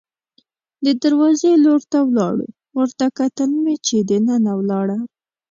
د دروازې لور ته ولاړو، ورته کتل مې چې دننه ولاړه.